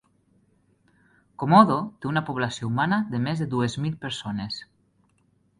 Komodo té una població humana de més de dues mil persones.